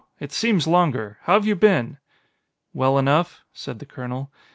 It seems longer. How've you been?" "Well enough," said the colonel.